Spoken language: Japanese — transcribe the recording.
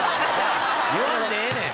言わんでええねん！